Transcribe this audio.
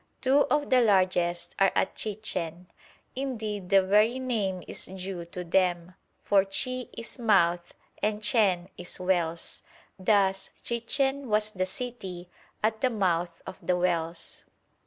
Two of the largest are at Chichen. Indeed the very name is due to them; for "chi" is "mouth" and "chen" is "wells." Thus Chichen was the city at the "mouth of the wells."